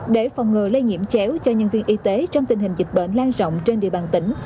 để phòng ngừa lây nhiễm chéo cho nhân viên y tế trong tình hình dịch bệnh lan rộng trên địa bàn tỉnh